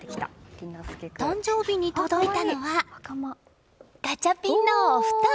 誕生日に届いたのはガチャピンのお布団。